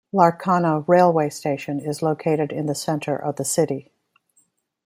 Larkana Railway Station is located in the center of the city.